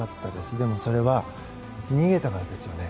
でも、それは逃げたからですよね。